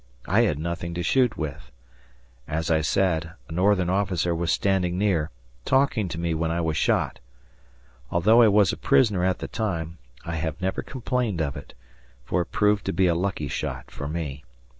I had nothing to shoot with. As I said, a Northern officer was standing near, talking to me when I was shot. Although I was a prisoner at the time, I have never complained of it, for it proved to be a lucky shot for me.